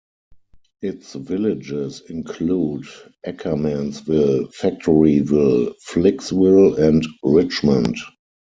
Its villages include Ackermanville, Factoryville, Flicksville, and Richmond.